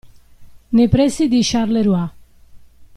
Nei pressi di Charleroi.